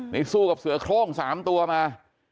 ในสู้กับเสือโค้งสามตัวมา